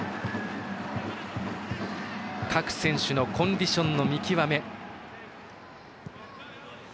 各選手のコンディションの見極め。